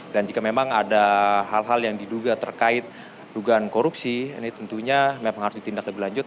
dan jika memang ada hal hal yang diduga terkait dugaan korupsi ini tentunya memang harus ditindak lebih lanjut